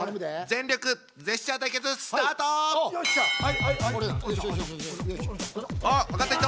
全力ジェスチャー対決スタート！おっ分かった人！